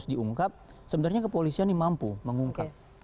diungkap sebenarnya kepolisian ini mampu mengungkap